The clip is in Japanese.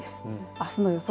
あすの予想